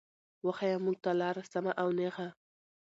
وښايه مونږ ته لاره سمه او نېغه